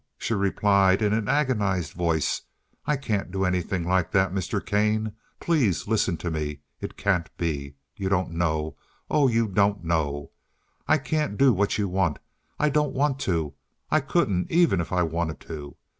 she replied in an agonized voice, "I can't do anything like that, Mr. Kane. Please listen to me. It can't be. You don't know. Oh, you don't know. I can't do what you want. I don't want to. I couldn't, even if I wanted to.